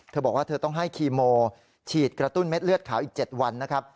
เธอบอกว่าเธอต้องให้คีโมฉีดกระตุ้นเม็ดเลือดขาวอีก๗วันนะครับ